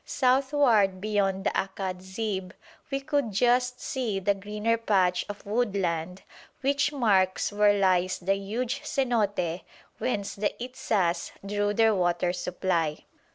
Southward beyond the Akad zib we could just see that greener patch of woodland which marks where lies the huge cenote whence the Itzas drew their water supply.